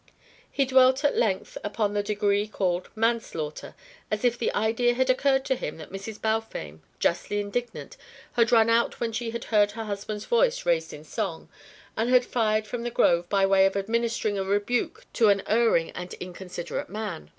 He dwelt at length upon the degree called manslaughter, as if the idea had occurred to him that Mrs. Balfame, justly indignant, had run out when she heard her husband's voice raised in song, and had fired from the grove by way of administering a rebuke to an erring and inconsiderate man.